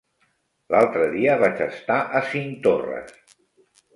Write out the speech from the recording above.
L'altre dia vaig estar a Cinctorres.